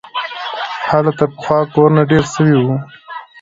هلته تر پخوا کورونه ډېر سوي وو.